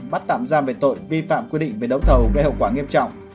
bắt tạm giam về tội vi phạm quy định về đấu thầu gây hậu quả nghiêm trọng